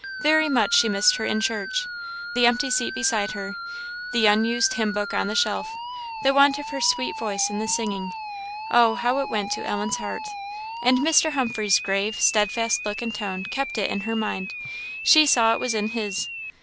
Very much she missed her in church. The empty seat beside her the unused hymn book on the shelf the want of her sweet voice in the singing oh! how it went to Ellen's heart! And Mr. Humphreys' grave, steadfast look and tone kept it in her mind; she saw it was in his.